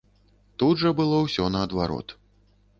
Тут жа было ўсё наадварот.